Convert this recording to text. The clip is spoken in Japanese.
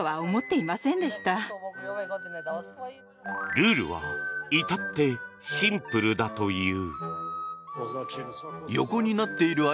ルールはいたってシンプルだという。